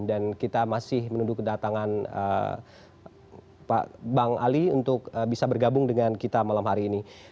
dan kita masih menunggu kedatangan bang ali untuk bisa bergabung dengan kita malam hari ini